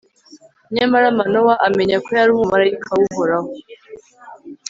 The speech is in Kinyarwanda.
nyamara manowa amenya ko yari umumalayika w'uhoraho